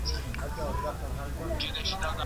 زه به سبا لیکل کوم!!